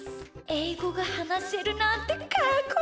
えいごがはなせるなんてかっこいい！